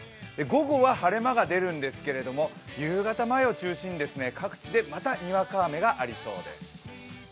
午後、晴れ間は出るんですけど夕方前を中心に各地でまたにわか雨がありそうです。